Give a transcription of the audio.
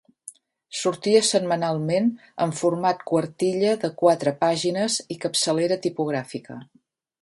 Sortia setmanalment en format quartilla de quatre pàgines i capçalera tipogràfica.